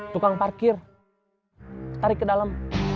tukang parkir tarik ke dalam